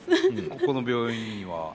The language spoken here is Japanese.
ここの病院には？